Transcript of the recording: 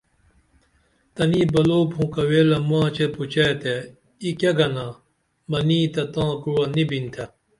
تنی بلو پھونکہ ویلہ ماچے پوچئے تے ای کیہ گننا منی تہ تاں کوعہ نی بینتھے